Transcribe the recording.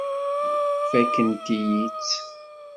Fakkent-iyi-tt.